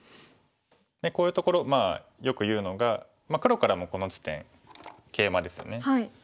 こういうところよく言うのが黒からもこの地点ケイマですよね。